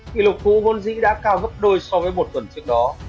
kỷ lục cũ vốn dĩ đã cao gấp đôi so với một tuần trước đó